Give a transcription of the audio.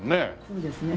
そうですね。